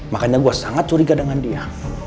makanya gue sangat curiga dengan dia